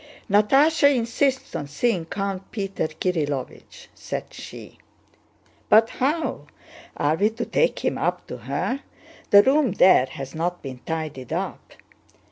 "Natásha insists on seeing Count Peter Kirílovich," said she. "But how? Are we to take him up to her? The room there has not been tidied up."